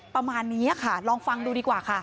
ประมาณนี้ค่ะลองฟังดูดีกว่าค่ะ